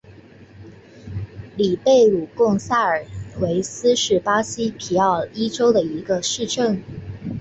里贝鲁贡萨尔维斯是巴西皮奥伊州的一个市镇。